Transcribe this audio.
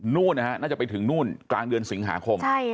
นู่นนะฮะน่าจะไปถึงนู่นกลางเดือนสิงหาคม